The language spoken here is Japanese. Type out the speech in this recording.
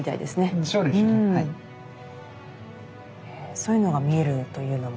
そういうのが見えるというのもね